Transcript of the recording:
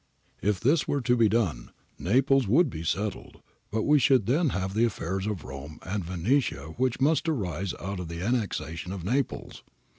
If this were to be done, Naples would be settled, but we should then have the affairs of Rome and Venetia which must arise out of the annexation of Naples.